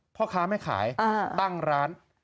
พ่อค้าไม่ขายตั้งร้าน